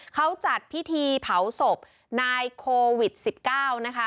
เขาจัดพิธีเผาศพนายโควิด๑๙นะคะ